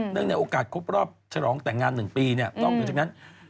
เนื่องในโอกาสครบรอบฉลองแต่งงาน๑ปีเนี่ยต้องเห็นจากนั้น